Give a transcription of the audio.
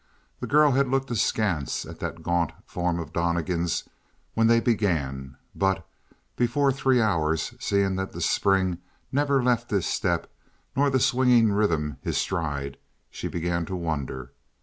The girl had looked askance at that gaunt form of Donnegan's when they began; but before three hours, seeing that the spring never left his step nor the swinging rhythm his stride, she began to wonder.